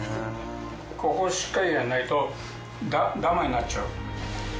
ここをしっかりやらないとダマになっちゃう。